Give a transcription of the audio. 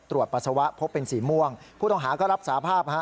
ปัสสาวะพบเป็นสีม่วงผู้ต้องหาก็รับสาภาพฮะ